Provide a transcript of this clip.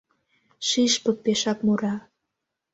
Шӱшпык пешак мура